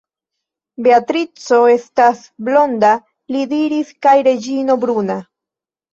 Beatrico estas blonda, li diris, kaj Reĝino bruna.